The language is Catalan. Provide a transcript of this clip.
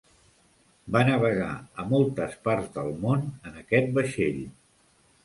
Va navegar a moltes parts del món en aquest vaixell.